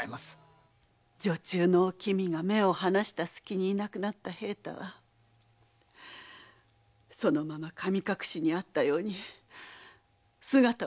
女中のお君が目を離した隙にいなくなった平太はそのまま神隠しにあったように姿を消してしまったんです。